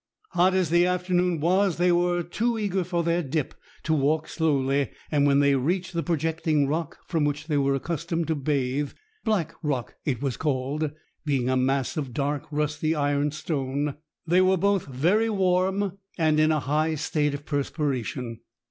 Hot as the afternoon was, they were too eager for their dip to walk slowly, and when they reached the projecting rock from which they were accustomed to bathe—Black Rock it was called, being a mass of dark, rusty iron stone—they were both very warm and in a high state of perspiration.